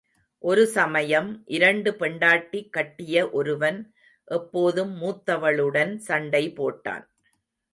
ஒரு சமயம், இரண்டு பெண்டாட்டி கட்டிய ஒருவன் எப்போதும் மூத்தவளுடன் சண்டை போட்டான்.